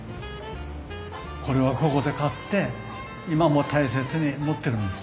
これはここで買って今も大切に持ってるんです。